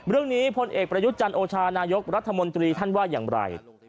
เรื่องนี้พลเอกปรยุชจันทธ์โอชานายกรัฐมนตรีท่านว่าอย่างไร